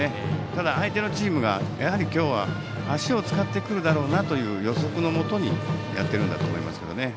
ただ、相手のチームが今日は足を使ってくるだろうなという予測のもとにやっているんだと思いますね。